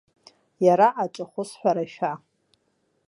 Иара аҿахәы сҳәарашәа…